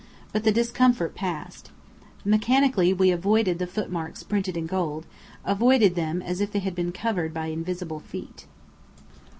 But the discomfort passed. Mechanically we avoided the footmarks printed in gold avoided them as if they had been covered by invisible feet.